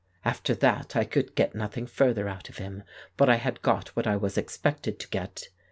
After that I could get nothing further out of him, but I had got what I expected to get.